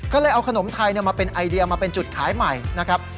ก็เลยเอาขนมไทยมาเป็นไอเดียมาเป็นจุดขายใหม่นะครับ